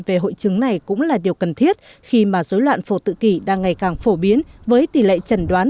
về hội chứng này cũng là điều cần thiết khi mà dối loạn phổ tự kỷ đang ngày càng phổ biến với tỷ lệ trần đoán